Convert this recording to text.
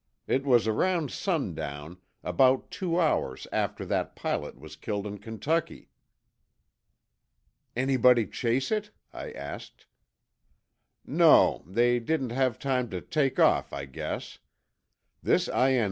It was around sundown, about two hours after that pilot was killed in Kentucky." "Anybody chase it?" I asked. "No. They didn't have time to take off, I guess. This I.N.